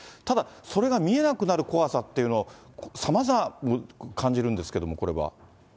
ただ、それが見えなくなる怖さっていうのを、さまざま感じるんですけども、これは。